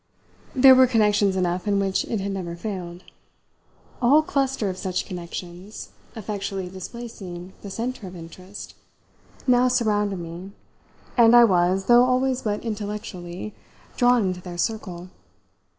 There were connections enough in which it had never failed. A whole cluster of such connections, effectually displacing the centre of interest, now surrounded me, and I was though always but intellectually drawn into their circle.